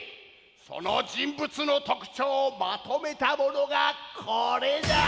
その人物の特徴をまとめたものがこれじゃ！